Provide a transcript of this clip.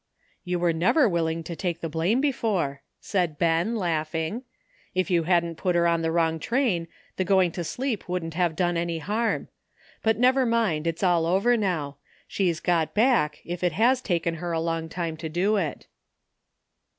'' You were uever williug to take the blame before," said Ben, laughing. *'If you hadn't put her on the wrong train the going to sleep wouldn't have done any harm. But never mind, it's all over now. She's got back, if it has taken her a long time to do it."